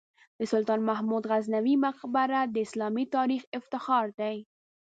د سلطان محمود غزنوي مقبره د اسلامي تاریخ افتخار دی.